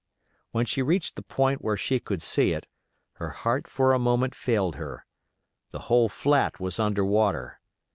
When she reached the point where she could see it, her heart for a moment failed her; the whole flat was under water.